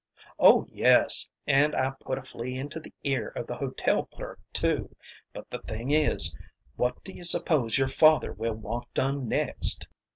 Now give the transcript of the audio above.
"Oh, yes, and I put a flea into the ear of the hotel clerk, too. But the thing is, what do you suppose your father will want done next?"